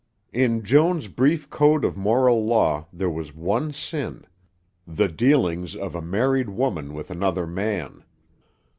In Joan's brief code of moral law there was one sin the dealings of a married woman with another man.